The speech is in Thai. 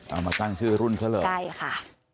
เอามาตั้งชื่อรุ่นซะเลยใช่ค่ะ